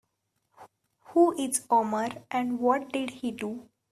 Who is Omar and what did he do?